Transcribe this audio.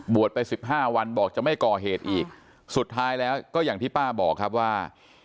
ไปสิบห้าวันบอกจะไม่ก่อเหตุอีกสุดท้ายแล้วก็อย่างที่ป้าบอกครับว่า